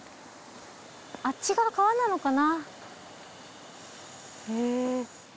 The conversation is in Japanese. あっち側川なのかな？